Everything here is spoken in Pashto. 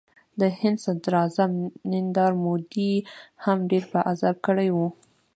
د هند صدراعظم نریندرا مودي هم ډېر په عذاب کړی و